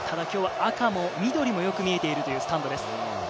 今日は赤も緑もよく見えているというスタンドです。